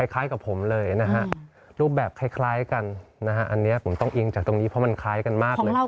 คล้ายกับผมเลยนะฮะรูปแบบคล้ายกันนะฮะอันนี้ผมต้องอิงจากตรงนี้เพราะมันคล้ายกันมากเลย